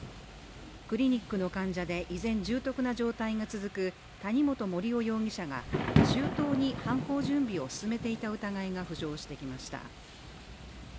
クリニックの患者で、依然、重篤な状態が続く谷本盛雄容疑者が周到に犯行準備を進めていた疑いが浮上しました。